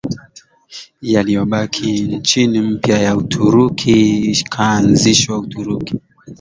yaliyobaki nchi mpya ya Uturuki ikaanzishwa Uturuki